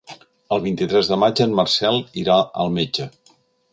El vint-i-tres de maig en Marcel irà al metge.